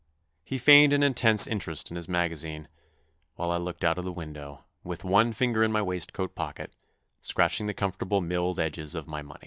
He feigned an intense interest in his magazine, while I looked out of window, with one finger in my waistcoat pocket, scratching the comfortable milled edges of my money.